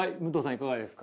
いかがですか？